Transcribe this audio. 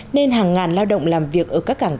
nên hàng ngàn lao động làm việc ở các cảng cá có nguồn